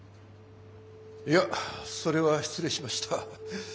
いやそれは失礼しました。